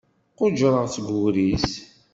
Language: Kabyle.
Qujjreɣ seg ugris.